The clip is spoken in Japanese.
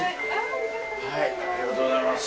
ありがとうございます。